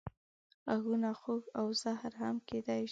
غږونه خوږ او زهر هم کېدای شي